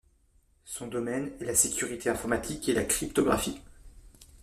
Son domaine est la sécurité informatique et la cryptographie.